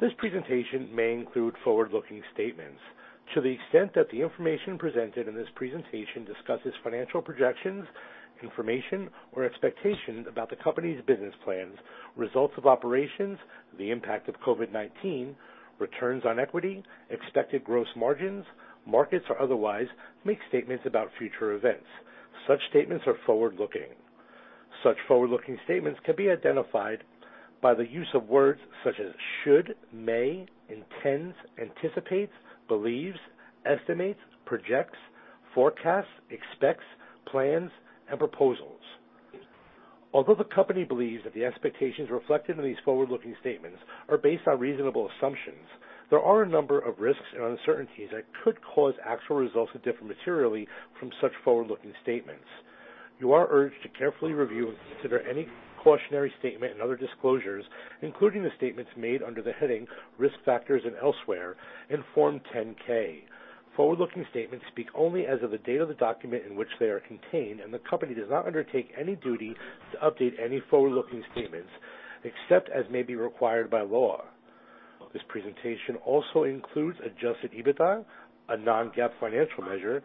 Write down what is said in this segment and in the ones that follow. This presentation may include forward-looking statements to the extent that the information presented in this presentation discusses financial projections, information, or expectations about the company's business plans, results of operations, the impact of COVID-19, returns on equity, expected gross margins, markets, or otherwise makes statements about future events. Such statements are forward-looking. Such forward-looking statements can be identified by the use of words such as should, may, intends, anticipates, believes, estimates, projects, forecasts, expects, plans, and proposals. Although the company believes that the expectations reflected in these forward-looking statements are based on reasonable assumptions, there are a number of risks and uncertainties that could cause actual results to differ materially from such forward-looking statements. You are urged to carefully review and consider any cautionary statement and other disclosures, including the statements made under the heading Risk Factors and elsewhere in Form 10-K. Forward-looking statements speak only as of the date of the document in which they are contained, and the company does not undertake any duty to update any forward-looking statements, except as may be required by law. This presentation also includes adjusted EBITDA, a non-GAAP financial measure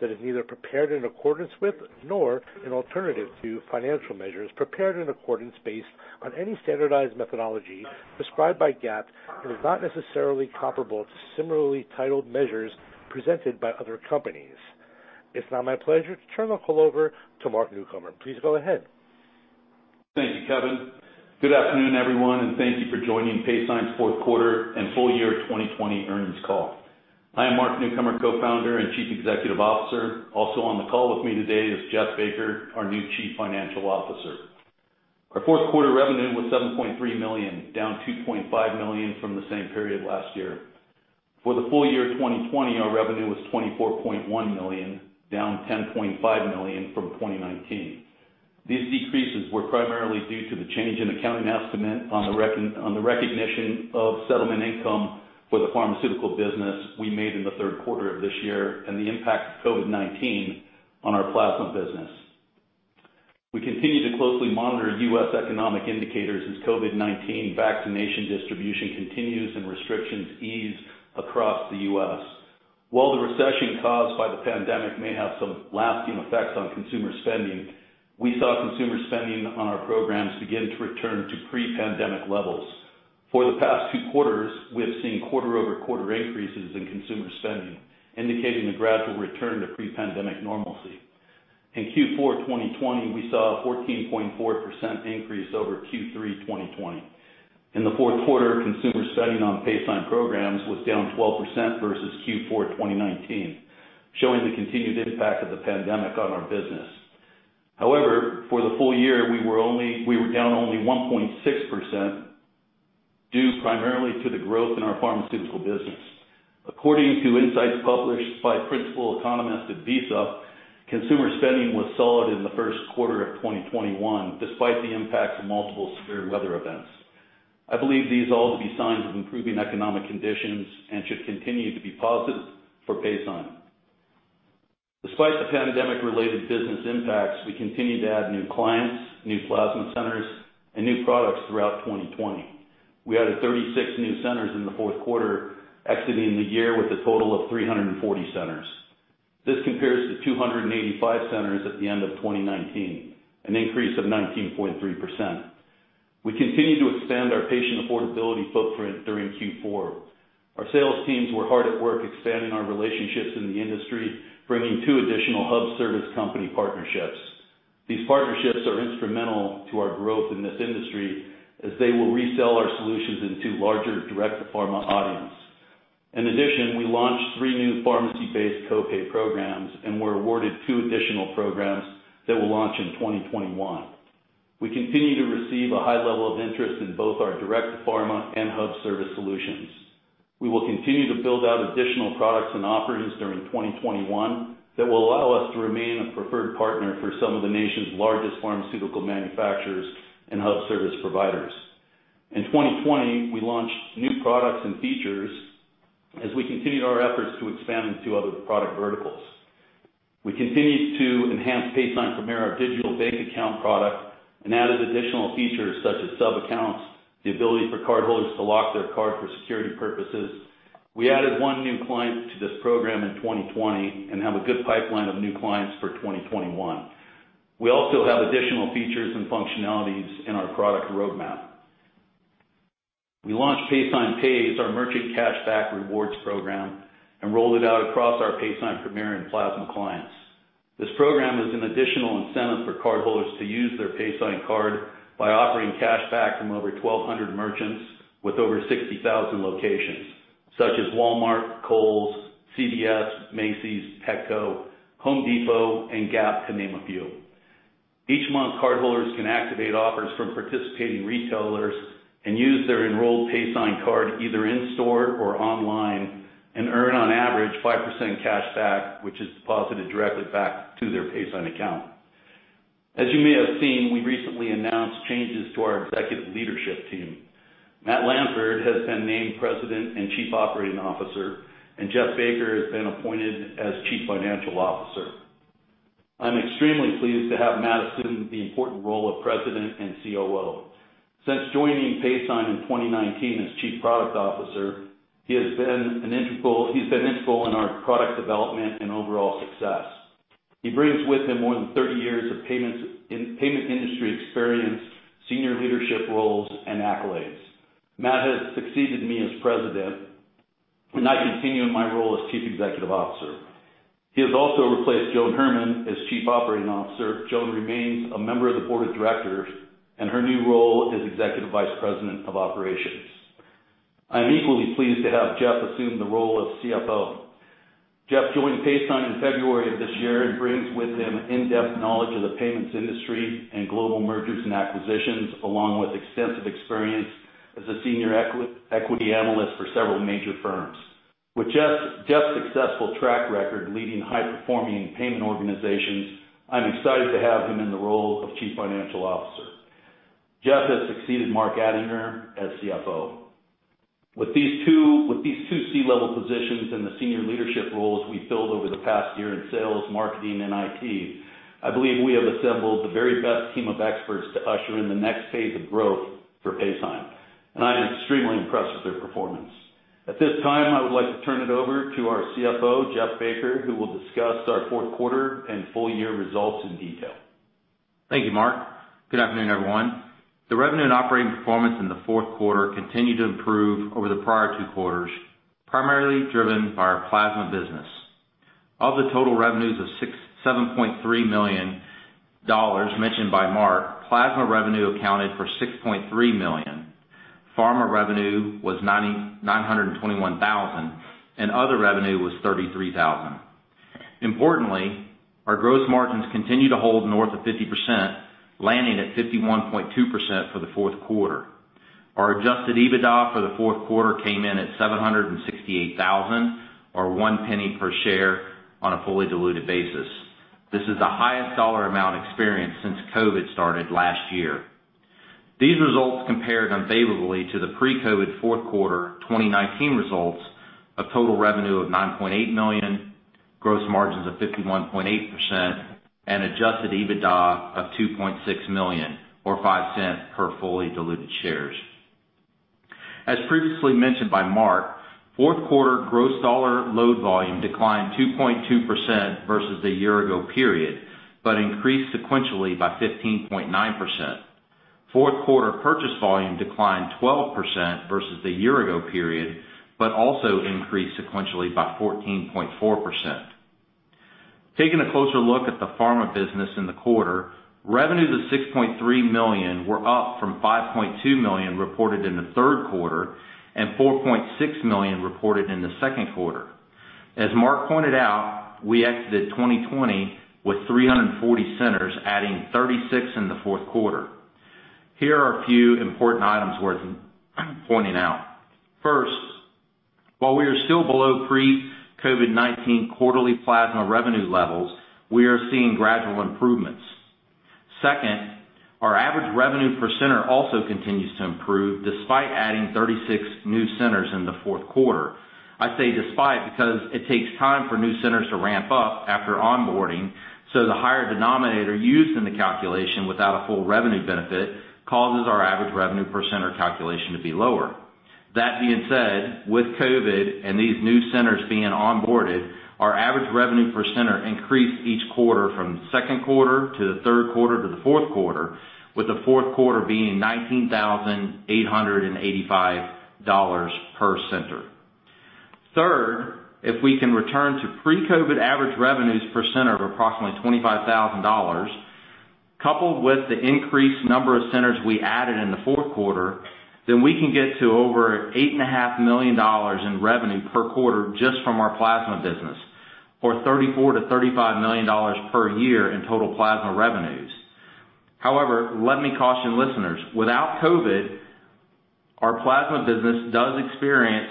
that is neither prepared in accordance with nor an alternative to financial measures prepared in accordance based on any standardized methodology prescribed by GAAP and is not necessarily comparable to similarly titled measures presented by other companies. It's now my pleasure to turn the call over to Mark Newcomer. Please go ahead. Thank you, Kevin. Good afternoon, everyone, and thank you for joining Paysign's Fourth Quarter and Full Year 2020 Earnings Call. I am Mark Newcomer, Co-Founder and Chief Executive Officer. Also on the call with me today is Jeff Baker, our new Chief Financial Officer. Our fourth quarter revenue was $7.3 million, down $2.5 million from the same period last year. For the full year 2020, our revenue was $24.1 million, down $10.5 million from 2019. These decreases were primarily due to the change in accounting estimate on the recognition of settlement income for the pharmaceutical business we made in the third quarter of this year and the impact of COVID-19 on our plasma business. We continue to closely monitor U.S. economic indicators as COVID-19 vaccination distribution continues and restrictions ease across the U.S. While the recession caused by the pandemic may have some lasting effects on consumer spending, we saw consumer spending on our programs begin to return to pre-pandemic levels. For the past two quarters, we have seen quarter-over-quarter increases in consumer spending, indicating a gradual return to pre-pandemic normalcy. In Q4 2020, we saw a 14.4% increase over Q3 2020. In the fourth quarter, consumer spending on Paysign programs was down 12% versus Q4 2019, showing the continued impact of the pandemic on our business. For the full year, we were down only 1.6% due primarily to the growth in our pharmaceutical business. According to insights published by principal economists at Visa, consumer spending was solid in the first quarter of 2021, despite the impact of multiple severe weather events. I believe these all to be signs of improving economic conditions and should continue to be positive for Paysign. Despite the pandemic-related business impacts, we continued to add new clients, new plasma centers, and new products throughout 2020. We added 36 new centers in the fourth quarter, exiting the year with a total of 340 centers. This compares to 285 centers at the end of 2019, an increase of 19.3%. We continued to expand our patient affordability footprint during Q4. Our sales teams were hard at work expanding our relationships in the industry, bringing two additional hub service company partnerships. These partnerships are instrumental to our growth in this industry as they will resell our solutions into larger direct-to-pharma audience. We launched three new pharmacy-based co-pay programs and were awarded two additional programs that will launch in 2021. We continue to receive a high level of interest in both our direct-to-pharma and hub service solutions. We will continue to build out additional products and offerings during 2021 that will allow us to remain a preferred partner for some of the nation's largest pharmaceutical manufacturers and hub service providers. In 2020, we launched new products and features as we continued our efforts to expand into other product verticals. We continued to enhance Paysign Premier, our digital bank account product, and added additional features such as sub-accounts, the ability for cardholders to lock their card for security purposes. We added one new client to this program in 2020 and have a good pipeline of new clients for 2021. We also have additional features and functionalities in our product roadmap. We launched Paysign Pays, our merchant cashback rewards program, and rolled it out across our Paysign Premier and Plasma clients. This program is an additional incentive for cardholders to use their Paysign card by offering cashback from over 1,200 merchants with over 60,000 locations such as Walmart, Kohl's, CVS, Macy's, Petco, The Home Depot, and Gap to name a few. Each month, cardholders can activate offers from participating retailers and use their enrolled Paysign card either in-store or online and earn on average 5% cashback, which is deposited directly back to their Paysign account. As you may have seen, we recently announced changes to our executive leadership team. Matt Lanford has been named President and Chief Operating Officer, and Jeff Baker has been appointed as Chief Financial Officer. I'm extremely pleased to have Matt assume the important role of President and COO. Since joining Paysign in 2019 as Chief Product Officer, he's been integral in our product development and overall success. He brings with him more than 30 years of payment industry experience, senior leadership roles, and accolades. Matt has succeeded me as President, and I continue in my role as Chief Executive Officer. He has also replaced Joan Herman as Chief Operating Officer. Joan remains a member of the board of directors and her new role is Executive Vice President of Operations. I am equally pleased to have Jeff assume the role of CFO. Jeff joined Paysign in February of this year and brings with him in-depth knowledge of the payments industry and global mergers and acquisitions, along with extensive experience as a senior equity analyst for several major firms. With Jeff's successful track record leading high-performing payment organizations, I'm excited to have him in the role of Chief Financial Officer. Jeff has succeeded Mark Attinger as CFO. With these two C-level positions and the senior leadership roles we filled over the past year in sales, marketing, and IT, I believe we have assembled the very best team of experts to usher in the next phase of growth for Paysign, and I am extremely impressed with their performance. At this time, I would like to turn it over to our CFO, Jeff Baker, who will discuss our fourth quarter and full year results in detail. Thank you, Mark. Good afternoon, everyone. The revenue and operating performance in the fourth quarter continued to improve over the prior two quarters, primarily driven by our plasma business. Of the total revenues of $7.3 million mentioned by Mark, plasma revenue accounted for $6.3 million, pharma revenue was $921,000, and other revenue was $33,000. Importantly, our gross margins continue to hold north of 50%, landing at 51.2% for the fourth quarter. Our adjusted EBITDA for the fourth quarter came in at $768,000, or $0.01 per share on a fully diluted basis. This is the highest dollar amount experienced since COVID-19 started last year. These results compared unfavorably to the pre-COVID-19 fourth quarter 2019 results of total revenue of $9.8 million, gross margins of 51.8%, and adjusted EBITDA of $2.6 million or $0.05 per fully diluted shares. As previously mentioned by Mark, fourth quarter gross dollar load volume declined 2.2% versus the year ago period, increased sequentially by 15.9%. Fourth quarter purchase volume declined 12% versus the year ago period, also increased sequentially by 14.4%. Taking a closer look at the pharma business in the quarter, revenues of $6.3 million were up from $5.2 million reported in the third quarter and $4.6 million reported in the second quarter. As Mark pointed out, we exited 2020 with 340 centers, adding 36 in the fourth quarter. Here are a few important items worth pointing out. First, while we are still below pre-COVID-19 quarterly plasma revenue levels, we are seeing gradual improvements. Second, our average revenue per center also continues to improve despite adding 36 new centers in the fourth quarter. I say despite because it takes time for new centers to ramp up after onboarding, so the higher denominator used in the calculation without a full revenue benefit causes our average revenue per center calculation to be lower. That being said, with COVID and these new centers being onboarded, our average revenue per center increased each quarter from the second quarter to the third quarter to the fourth quarter, with the fourth quarter being $19,885 per center. Third, if we can return to pre-COVID average revenues per center of approximately $25,000, coupled with the increased number of centers we added in the fourth quarter, then we can get to over $8.5 million in revenue per quarter just from our plasma business, or $34 million-$35 million per year in total plasma revenues. Let me caution listeners. Without COVID-19, our plasma business does experience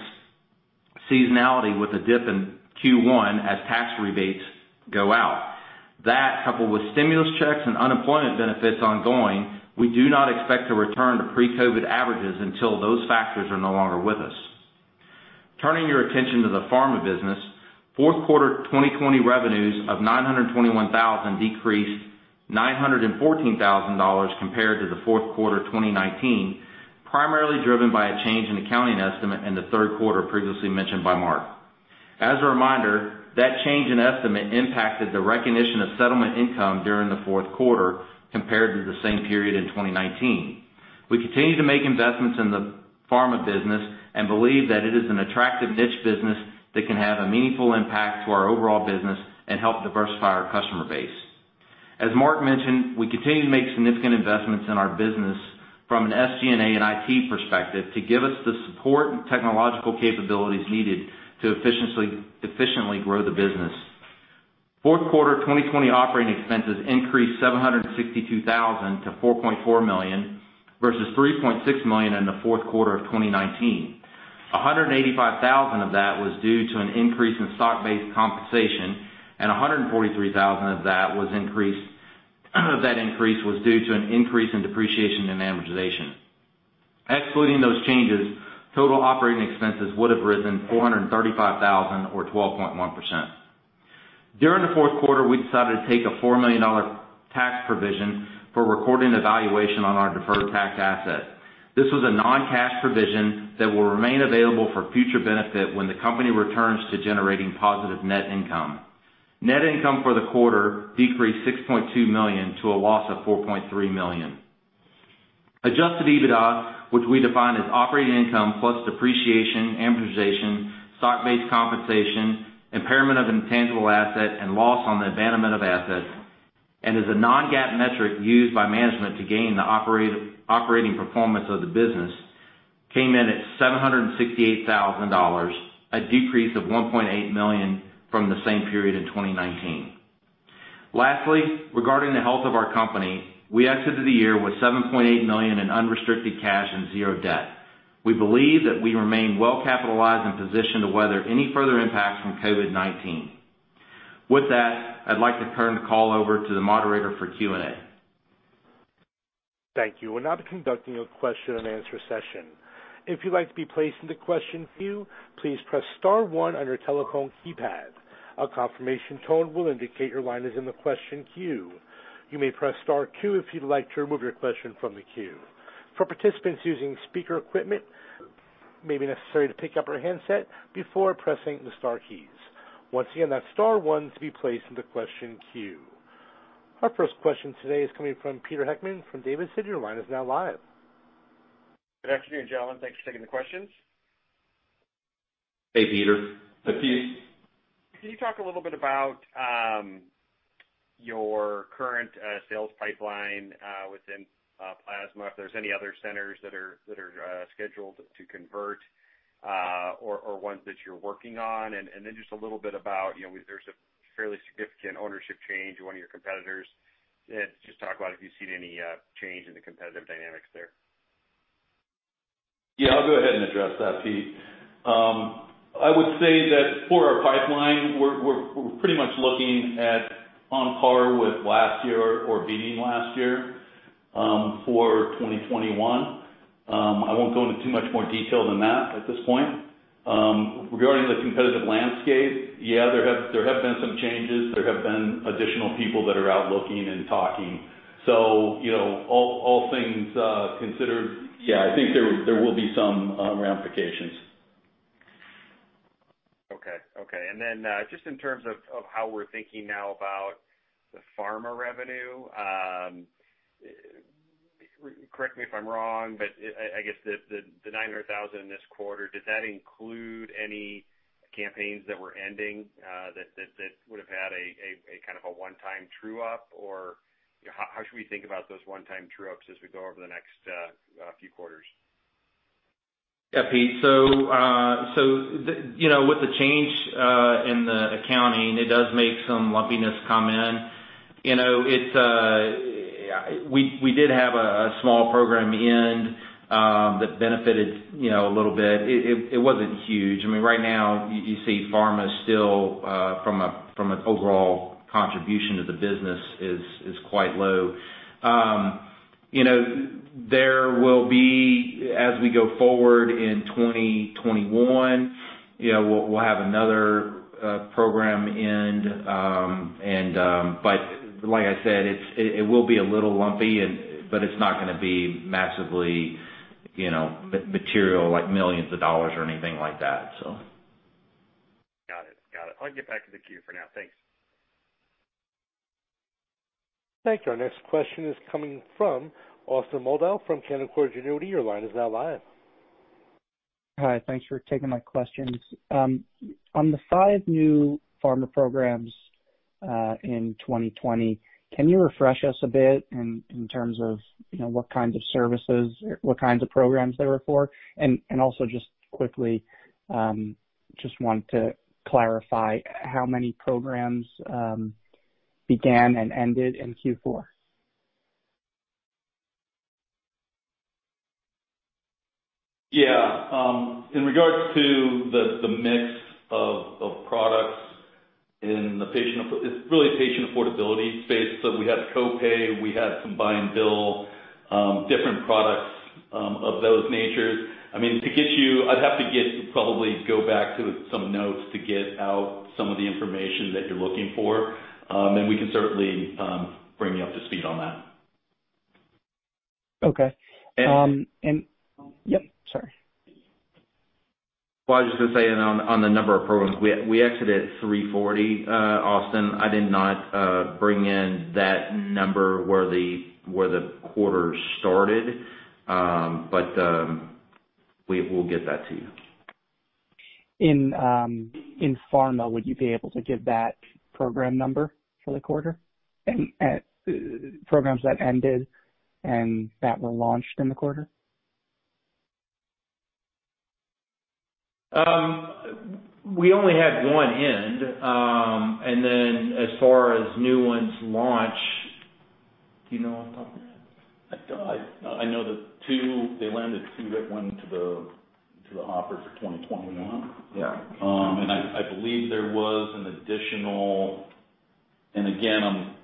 seasonality with a dip in Q1 as tax rebates go out. That, coupled with stimulus checks and unemployment benefits ongoing, we do not expect to return to pre-COVID-19 averages until those factors are no longer with us. Turning your attention to the pharma business, fourth quarter 2020 revenues of $921,000 decreased $914,000 compared to the fourth quarter 2019, primarily driven by a change in accounting estimate in the third quarter previously mentioned by Mark. As a reminder, that change in estimate impacted the recognition of settlement income during the fourth quarter compared to the same period in 2019. We continue to make investments in the pharma business and believe that it is an attractive niche business that can have a meaningful impact to our overall business and help diversify our customer base. As Mark mentioned, we continue to make significant investments in our business from an SG&A and IT perspective to give us the support and technological capabilities needed to efficiently grow the business. Fourth quarter 2020 operating expenses increased $762,000 to $4.4 million, versus $3.6 million in the fourth quarter of 2019. $185,000 of that was due to an increase in stock-based compensation, and $143,000 of that increase was due to an increase in depreciation and amortization. Excluding those changes, total operating expenses would've risen $435,000 or 12.1%. During the fourth quarter, we decided to take a $4 million tax provision for recording the valuation on our deferred tax asset. This was a non-cash provision that will remain available for future benefit when the company returns to generating positive net income. Net income for the quarter decreased $6.2 million to a loss of $4.3 million. Adjusted EBITDA, which we define as operating income plus depreciation, amortization, stock-based compensation, impairment of intangible asset, and loss on the abandonment of assets, and is a non-GAAP metric used by management to gauge the operating performance of the business, came in at $768,000, a decrease of $1.8 million from the same period in 2019. Lastly, regarding the health of our company, we exited the year with $7.8 million in unrestricted cash and zero debt. We believe that we remain well capitalized and positioned to weather any further impacts from COVID-19. With that, I'd like to turn the call over to the moderator for Q&A. Thank you. We'll now be conducting a question and answer session. If you'd like to be placed in the question queue, please press star one on your telephone keypad. A confirmation tone will indicate your line is in the question queue. You may press star two if you'd like to remove your question from the queue. For participants using speaker equipment, it may be necessary to pick up your handset before pressing the star keys. Once again, that's star one to be placed into question queue. Our first question today is coming from Peter Heckmann from D.A. Davidson. Your line is now live. Good afternoon, gentlemen. Thanks for taking the questions. Hey, Peter. Hey, Pete. Can you talk a little bit about your current sales pipeline within plasma, if there's any other centers that are scheduled to convert or ones that you're working on? Just a little bit about, there's a fairly significant ownership change of one of your competitors, and just talk about if you've seen any change in the competitive dynamics there. Yeah, I'll go ahead and address that, Pete. I would say that for our pipeline, we're pretty much looking at on par with last year or beating last year, for 2021. I won't go into too much more detail than that at this point. Regarding the competitive landscape, yeah, there have been some changes. There have been additional people that are out looking and talking. All things considered, yeah, I think there will be some ramifications. Okay. Just in terms of how we're thinking now about the pharma revenue, correct me if I'm wrong, but I guess the $900,000 this quarter, does that include any campaigns that were ending that would've had a kind of a one-time true-up? How should we think about those one-time true-ups as we go over the next few quarters? Yeah, Pete. With the change in the accounting, it does make some lumpiness come in. We did have a small program end that benefited a little bit. It wasn't huge. Right now, you see pharma still, from an overall contribution to the business, is quite low. There will be, as we go forward in 2021, we'll have another program end. Like I said, it will be a little lumpy, but it's not going to be massively material, like millions of dollars or anything like that. Got it. I'll get back to the queue for now. Thanks. Thank you. Our next question is coming from Austin Moldow from Canaccord Genuity. Your line is now live. Hi. Thanks for taking my questions. On the five new pharma programs in 2020, can you refresh us a bit in terms of what kinds of services or what kinds of programs they were for? Quickly, just want to clarify how many programs began and ended in Q4. Yeah. In regards to the mix of products in the patient, it's really patient affordability space. We had Co-pay, we had some Buy-and-Bill, different products of those natures. I'd have to probably go back to some notes to get out some of the information that you're looking for, and we can certainly bring you up to speed on that. Okay. Yep, sorry. Well, I was just going to say on the number of programs, we exited at 340, Austin. I did not bring in that number where the quarter started. We will get that to you. In pharma, would you be able to give that program number for the quarter? Programs that ended and that were launched in the quarter? We only had one end. As far as new ones launch, do you know off the top of your head? I know they landed two rip ones to the hopper for 2021. Yeah. I believe there was an additional, and again, I'm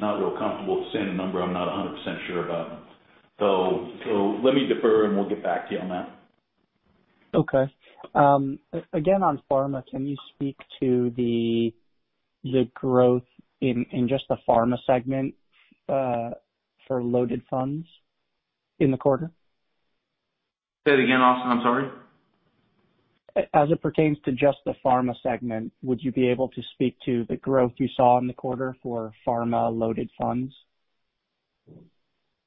not real comfortable saying a number I'm not 100% sure about. Let me defer, and we'll get back to you on that. Okay. Again, on pharma, can you speak to the growth in just the pharma segment for loaded funds in the quarter? Say it again, Austin. I'm sorry. As it pertains to just the pharma segment, would you be able to speak to the growth you saw in the quarter for pharma-loaded funds?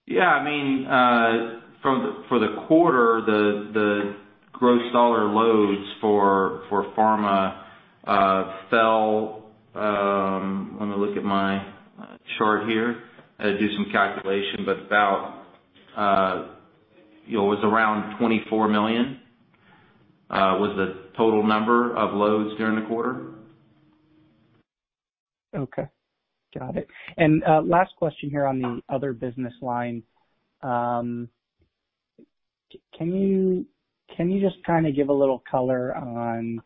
Yeah. For the quarter, the gross dollar loads for pharma fell. Let me look at my chart here. I had to do some calculation, but it was around $24 million, was the total number of loads during the quarter. Okay. Got it. Last question here on the other business line. Can you just give a little color on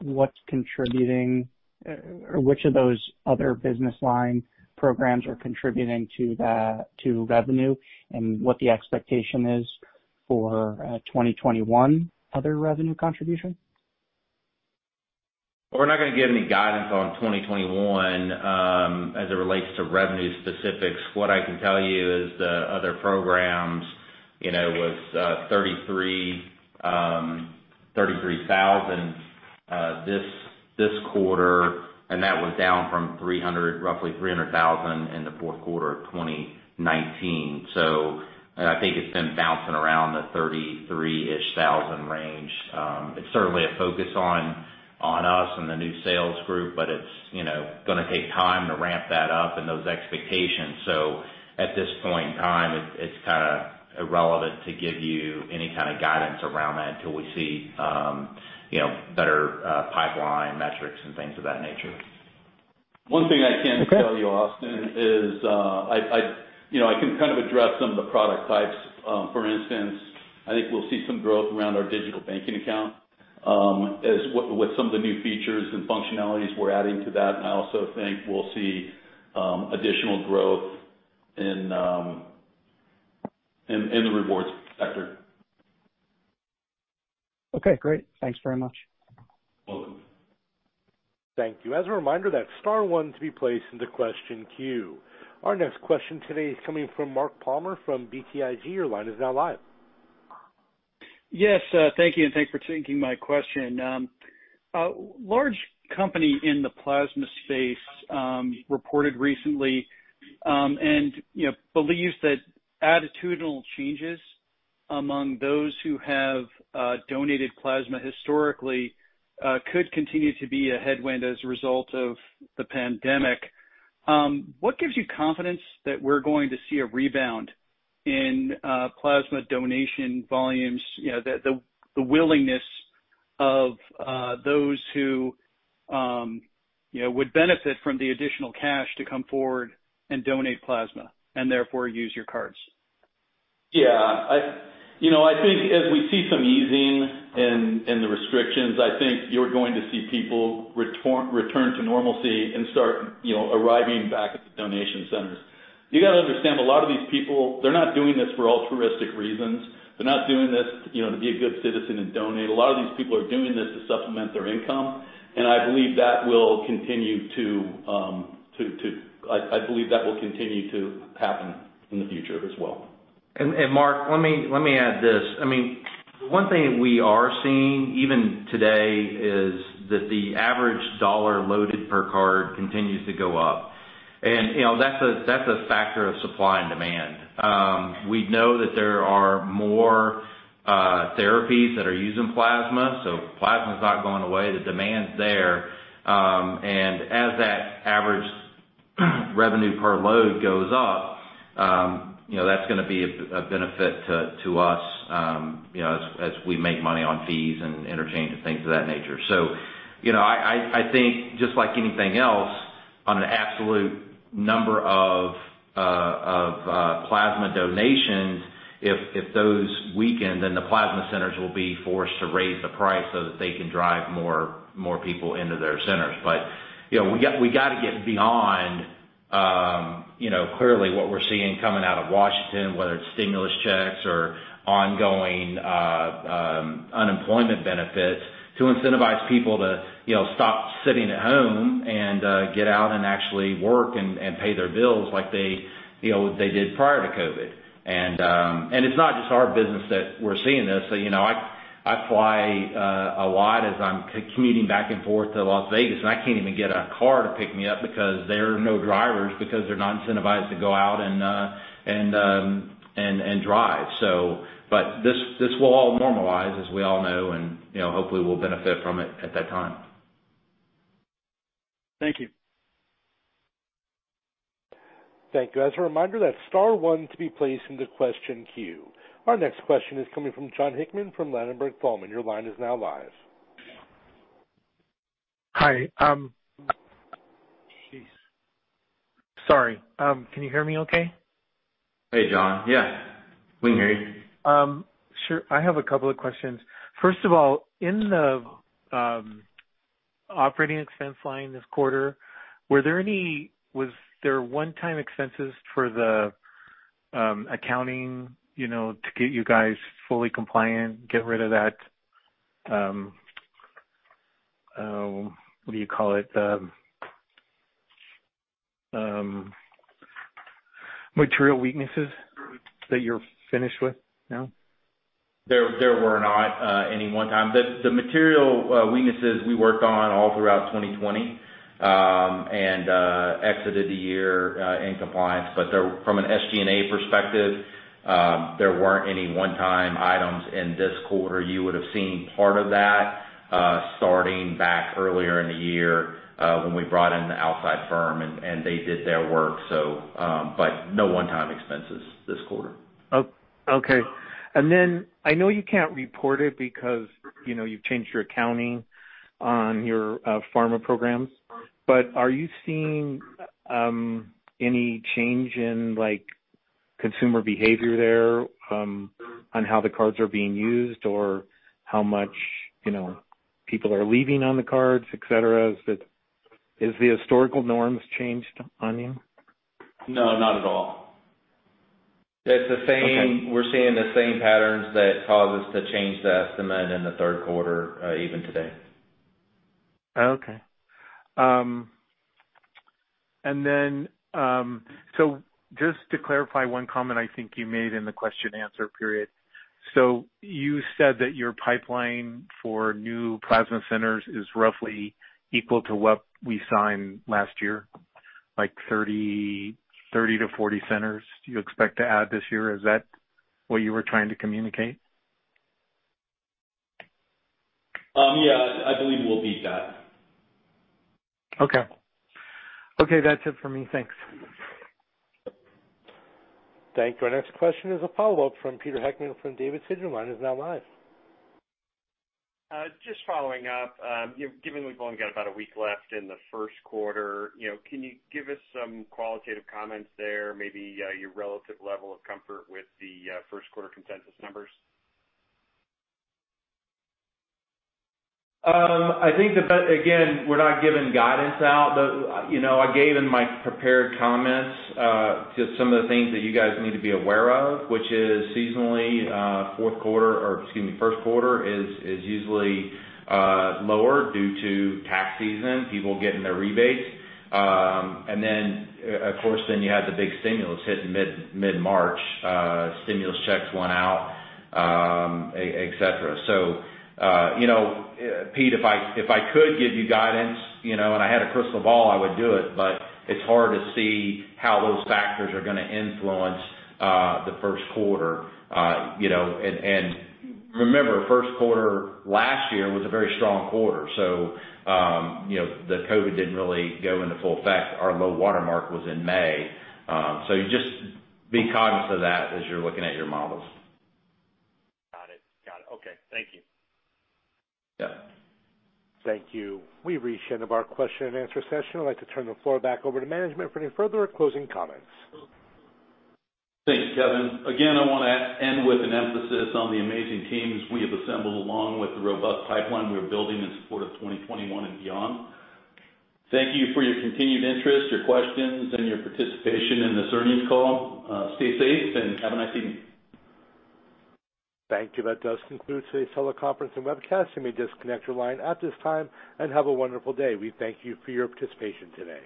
what's contributing, or which of those other business line programs are contributing to revenue and what the expectation is for 2021 other revenue contribution? We're not going to give any guidance on 2021 as it relates to revenue specifics. What I can tell you is the other programs was $33,000 this quarter, and that was down from roughly $300,000 in the fourth quarter of 2019. I think it's been bouncing around the 33-ish thousand range. It's certainly a focus on us and the new sales group, but it's going to take time to ramp that up and those expectations. At this point in time, it's kind of irrelevant to give you any kind of guidance around that until we see better pipeline metrics and things of that nature. One thing I can tell you, Austin, is I can kind of address some of the product types. For instance, I think we'll see some growth around our digital banking account with some of the new features and functionalities we're adding to that. I also think we'll see additional growth in the rewards sector. Okay, great. Thanks very much. Welcome. Thank you. As a reminder, that's star one to be placed into question queue. Our next question today is coming from Mark Palmer from BTIG. Your line is now live. Yes. Thank you, and thank you for taking my question. A large company in the plasma space reported recently and believes that attitudinal changes among those who have donated plasma historically could continue to be a headwind as a result of the pandemic. What gives you confidence that we're going to see a rebound in plasma donation volumes, the willingness of those who would benefit from the additional cash to come forward and donate plasma, and therefore use your cards? Yeah. I think as we see some easing in the restrictions, I think you're going to see people return to normalcy and start arriving back at the donation centers. You got to understand, a lot of these people, they're not doing this for altruistic reasons. They're not doing this to be a good citizen and donate. A lot of these people are doing this to supplement their income, and I believe that will continue to happen in the future as well. Mark, let me add this. One thing that we are seeing, even today, is that the average dollar loaded per card continues to go up. That's a factor of supply and demand. We know that there are more therapies that are using plasma, so plasma's not going away. The demand's there. As that average revenue per load goes up, that's going to be a benefit to us as we make money on fees and interchange and things of that nature. I think just like anything else, on an absolute number of plasma donations, if those weaken, then the plasma centers will be forced to raise the price so that they can drive more people into their centers. We got to get beyond clearly what we're seeing coming out of Washington, whether it's stimulus checks or ongoing unemployment benefits to incentivize people to stop sitting at home and get out and actually work and pay their bills like they did prior to COVID-19. It's not just our business that we're seeing this. I fly a lot as I'm commuting back and forth to Las Vegas, and I can't even get a car to pick me up because there are no drivers, because they're not incentivized to go out and drive. This will all normalize, as we all know, and hopefully we'll benefit from it at that time. Thank you. Thank you. As a reminder, that's star one to be placed into question queue. Our next question is coming from Jon Hickman from Ladenburg Thalmann. Hi. Sorry, can you hear me okay? Hey, Jon. Yeah, we can hear you. Sure. I have a couple of questions. First of all, in the operating expense line this quarter, was there one-time expenses for the accounting to get you guys fully compliant, get rid of that, what do you call it, material weaknesses that you're finished with now? There were not any one-time. The material weaknesses we worked on all throughout 2020, and exited the year in compliance. From an SG&A perspective, there weren't any one-time items in this quarter. You would've seen part of that starting back earlier in the year, when we brought in the outside firm, and they did their work. No one-time expenses this quarter. Okay. I know you can't report it because you've changed your accounting on your pharma programs, but are you seeing any change in consumer behavior there, on how the cards are being used or how much people are leaving on the cards, et cetera? Has the historical norms changed on you? No, not at all. Okay. We're seeing the same patterns that caused us to change the estimate in the third quarter, even today. Okay. Just to clarify one comment I think you made in the question and answer period. You said that your pipeline for new plasma centers is roughly equal to what we signed last year, like 30-40 centers you expect to add this year. Is that what you were trying to communicate? Yeah. I believe we'll beat that. Okay. That's it for me. Thanks. Thank you. Our next question is a follow-up from Peter Heckmann from D.A. Davidson. Your line is now live. Just following up. Given we've only got about a week left in the first quarter, can you give us some qualitative comments there, maybe your relative level of comfort with the first quarter consensus numbers? Again, we're not giving guidance out. I gave in my prepared comments, just some of the things that you guys need to be aware of, which is seasonally, first quarter is usually lower due to tax season, people getting their rebates. Then, of course, then you had the big stimulus hit in mid-March. Stimulus checks went out, et cetera. Peter, if I could give you guidance and I had a crystal ball, I would do it, but it's hard to see how those factors are going to influence the first quarter. Remember, first quarter last year was a very strong quarter. The COVID-19 didn't really go into full effect. Our low watermark was in May. Just be cognizant of that as you're looking at your models. Got it. Okay. Thank you. Yeah. Thank you. We've reached the end of our question and answer session. I'd like to turn the floor back over to management for any further closing comments. Thanks, Kevin. Again, I want to end with an emphasis on the amazing teams we have assembled, along with the robust pipeline we are building in support of 2021 and beyond. Thank you for your continued interest, your questions, and your participation in this earnings call. Stay safe and have a nice evening. Thank you. That does conclude today's teleconference and webcast. You may disconnect your line at this time, and have a wonderful day. We thank you for your participation today.